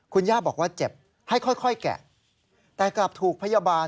คุณย่าบอกว่าเจ็บให้ค่อยแกะแต่กลับถูกพยาบาล